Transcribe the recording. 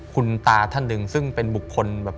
คุณตาธนรึงซึ่งเป็นบุคคล